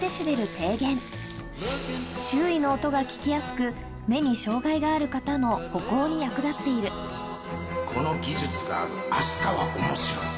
低減周囲の音が聞きやすく目に障がいがある方の歩行に役立っているこの技術があるあしたは面白い